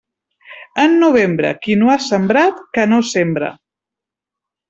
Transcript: En novembre, qui no ha sembrat, que no sembre.